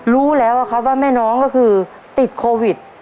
รู้แล้วครับว่าแม่น้องก็คือติดโควิด